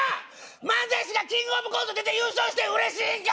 漫才師がキングオブコント出て優勝してうれしいんか？